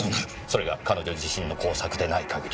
それが彼女自身の工作でない限り。